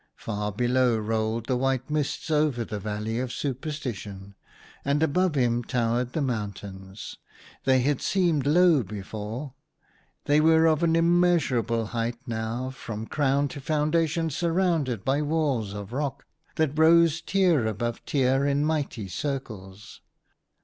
Far below rolled the white mist over the valleys of superstition, and above him towered the mountains. They had seemed low before ; they were of an immeasurable height now, from crown to foundation surrounded by walls of rock, that rose tier above tier in mighty circles.